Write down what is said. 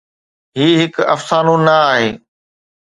هي هڪ افسانو نه آهي.